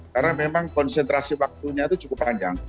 karena memang konsentrasi waktunya itu cukup panjang